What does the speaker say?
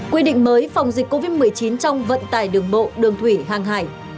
quy định mới phòng dịch covid một mươi chín trong vận tải đường bộ đường thủy hàng hải